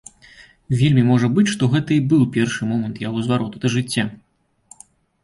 Вельмі можа быць, што гэта і быў першы момант яго звароту да жыцця.